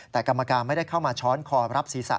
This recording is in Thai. แต่กรรมการไม่ได้เข้ามาช้อนคอรับศีรษะ